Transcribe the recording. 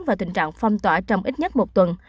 và tình trạng phong tỏa trong ít nhất một tuần